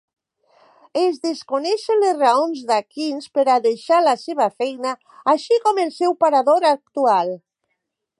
Es desconeixen les raons d'Akins per a deixar la seva feina, així com el seu parador actual.